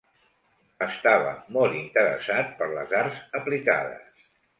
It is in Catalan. Estava molt interessat per les arts aplicades.